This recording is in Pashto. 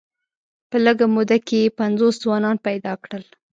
په لږه موده کې یې پنځوس ځوانان پیدا کړل.